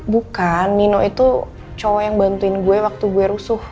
bukan nino itu cowok yang bantuin gue waktu gue rusuh